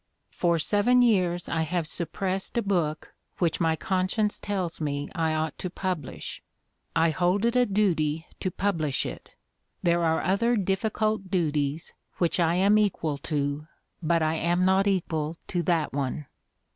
For seven years I have suppressed a book which my conscience tells me I ought to publish. I hold it a duty to publish it. There are other difficult duties which I am equal to, but I am not equal to that one."